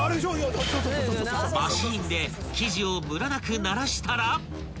［マシンで生地をむらなくならしたら］